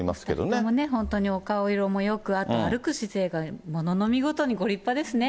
２人ともお顔色もよく、あと歩く姿勢が、ものの見事にご立派ですね。